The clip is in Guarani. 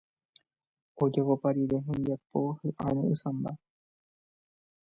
ojapopa rire hembiapo hy'airo'ysãmba